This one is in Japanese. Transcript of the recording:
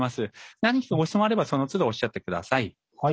何かご質問があればそのつどおっしゃってください。